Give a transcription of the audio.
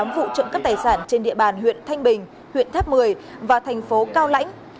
hai mươi tám vụ trộm cắt tài sản trên địa bàn huyện thanh bình huyện tháp mười và thành phố cao lãnh